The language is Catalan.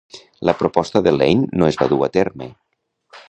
La proposta de Lane no es va dur a terme.